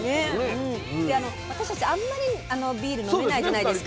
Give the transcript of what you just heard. で私たちあんまりビール飲めないじゃないですか。